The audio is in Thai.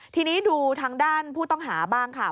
ทีนี้ดูทางด้านผู้ต้องหาบ้างค่ะ